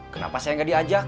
kenapa saya gak diajak